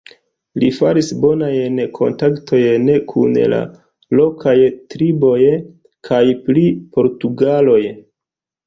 Li faris bonajn kontaktojn kun la lokaj triboj kaj pri portugaloj.